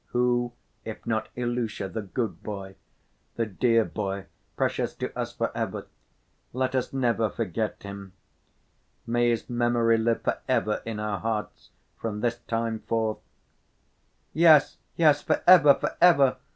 Who, if not Ilusha, the good boy, the dear boy, precious to us for ever! Let us never forget him. May his memory live for ever in our hearts from this time forth!" "Yes, yes, for ever, for ever!"